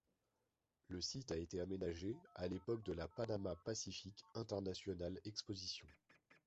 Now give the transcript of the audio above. Le site a été aménagé à l'époque de la Panama-Pacific International Exposition.